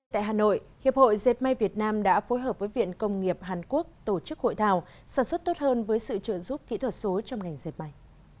tại hà nội hiệp hội diệt may việt nam đã phối hợp với viện công nghiệp hàn quốc tổ chức hội thảo sản xuất tốt hơn với sự trợ giúp kỹ thuật số trong ngành dệt may